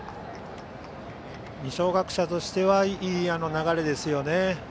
二松学舎としてはいい流れですよね。